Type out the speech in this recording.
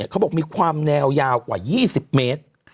เขาบอกมีความแนวยาวกว่า๒๐เมตร